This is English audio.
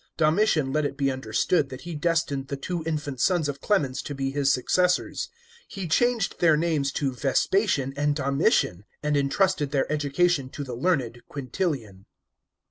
Domitian let it be understood, that he destined the two infant sons of Clemens to be his successors. He changed their names to Vespasian and Domitian, and entrusted their education to the learned Quintilian.